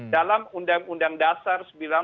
dalam undang undang dasar seribu sembilan ratus empat puluh